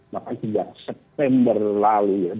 maka sudah september lalu ya dua ribu dua puluh satu